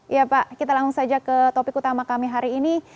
ya pak kita langsung saja ke topik utama kami hari ini